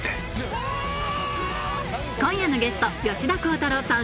今夜のゲスト吉田鋼太郎さん